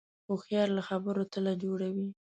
هوښیار له خبرو تله جوړوي